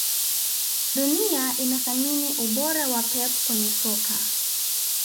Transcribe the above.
Dunia inathamini ubora wa Pep kwenye soka